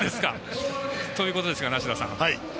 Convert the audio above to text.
ということですが梨田さん。